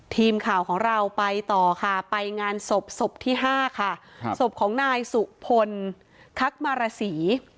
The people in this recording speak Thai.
ทีมข่าวของเราไปต่อค่ะไปงานศพศพที่๕ค่ะศพของนายสุพลคักมารสี